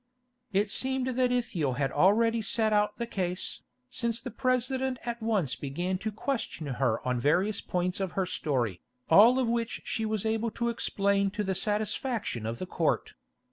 It seemed that Ithiel had already set out the case, since the President at once began to question her on various points of her story, all of which she was able to explain to the satisfaction of the Court.